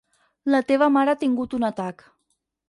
La teva mare ha tingut un atac.